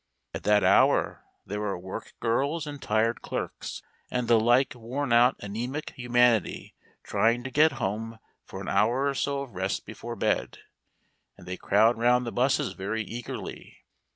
At that hour there are work girls and tired clerks, and the like worn out anæmic humanity trying to get home for an hour or so of rest before bed, and they crowd round the 'buses very eagerly.